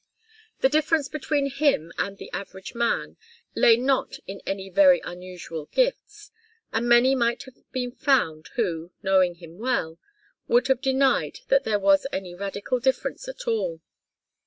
The difference between him and the average man lay not in any very unusual gifts, and many might have been found who, knowing him well, would have denied that there was any radical difference at all.